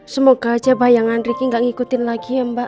semoga aja bayangan ricky gak ngikutin lagi ya mbak